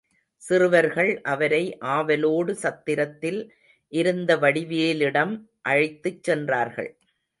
சிறுவர்கள் அவரை ஆவலோடு சத்திரத்தில் இருந்த வடிவேலிடம் அழைத்துச் சென்றார்கள்.